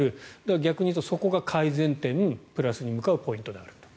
逆に言うとそこが改善点プラスに向かうポイントであると。